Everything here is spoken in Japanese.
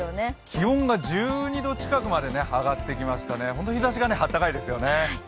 気温が１２度近くまで上がってきました、日ざしが本当に暖かいですよね。